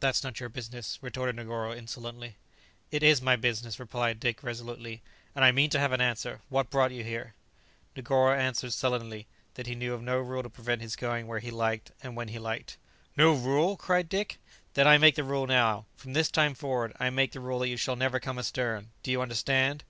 "That's not your business," retorted Negoro insolently. "It is my business," replied Dick resolutely; "and I mean to have an answer; what brought you here?" Negoro answered sullenly that he knew of no rule to prevent his going where he liked and when he liked. "No rule!" cried Dick; "then I make the rule now. From this time forward, I make the rule that you shall never come astern. Do you understand?"